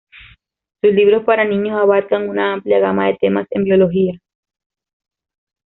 Sus libros para niños abarcan una amplia gama de temas en biología.